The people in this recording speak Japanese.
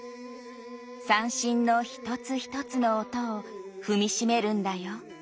「三線の一つ一つの音を踏みしめるんだよ」